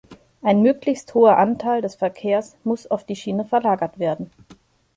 Ein möglichst hoher Anteil des Verkehrs muss auf die Schiene verlagert werden.